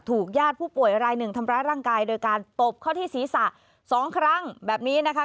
ญาติผู้ป่วยรายหนึ่งทำร้ายร่างกายโดยการตบเข้าที่ศีรษะสองครั้งแบบนี้นะคะ